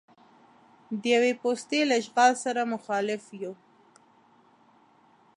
د یوې پوستې له اشغال سره مخالف یو.